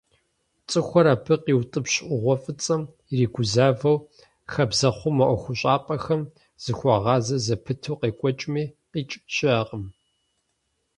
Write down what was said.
ЦӀыхухэр абы къиутӀыпщ Ӏугъуэ фӀыцӀэм иригузавэу, хабзэхъумэ ӀуэхущӀапӀэхэм зыхуагъазэ зэпыту къекӀуэкӀми, къикӀ щыӀэкъым.